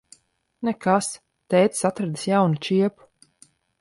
Nekas. Tētis atradis jaunu čiepu.